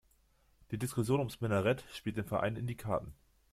Die Diskussion ums Minarett spielt dem Verein in die Karten.